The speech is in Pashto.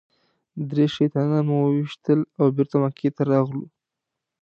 درې شیطانان مو وويشتل او بېرته مکې ته راغلو.